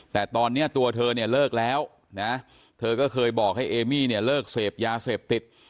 แต่ตอนนี้ตัวเธอเนี่ยเลิกแล้วนะเธอก็เคยบอกให้เอมี่เนี่ยเลิกเสพยาเสพติด